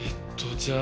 じゃあ